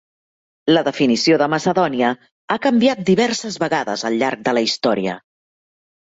La definició de Macedònia ha canviat diverses vegades al llarg de la història.